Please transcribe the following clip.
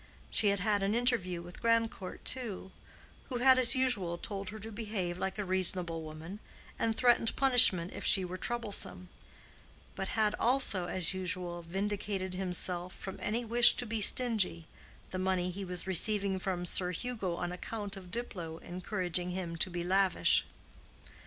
She had had an interview with Grandcourt, too, who had as usual told her to behave like a reasonable woman, and threatened punishment if she were troublesome; but had, also as usual, vindicated himself from any wish to be stingy, the money he was receiving from Sir Hugo on account of Diplow encouraging him to be lavish.